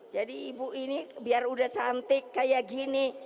jadi ibu ini biar udah cantik kayak gini